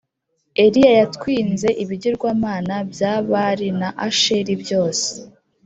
eliya yatwinze ibigirwamana bya bari na asheri byose